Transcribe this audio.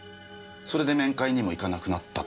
それで面会にも行かなくなったと。